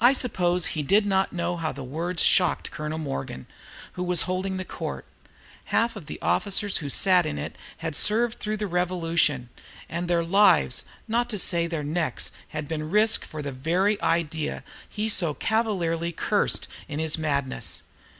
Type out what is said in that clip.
I suppose he did not know how the words shocked old Colonel Morgan, [Note 6] who was holding the court. Half the officers who sat in it had served through the Revolution, and their lives, not to say their necks, had been risked for the very idea which he so cavalierly cursed in his madness.